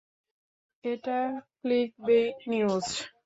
এটা clickbait news!